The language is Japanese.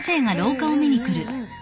うん